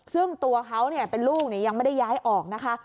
ซึ่งตัวเขาเป็นลูกยังไม่ได้ย้ายออกนะคะ